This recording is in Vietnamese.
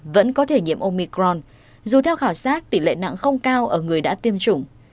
vẫn có thể nhiễm omicron dù theo khảo sát tỷ lệ nặng không cao ở người đã tiêm chủng